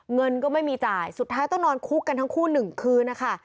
เงินก็ไม่มีจ่ายสุดท้ายต้องนอนคุกกันทั้งคู่๑คืนนะคะ